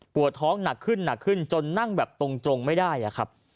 ท้องหนักขึ้นหนักขึ้นจนนั่งแบบตรงไม่ได้ครับ